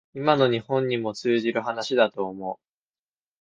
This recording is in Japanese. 今の日本にも通じる話だと思う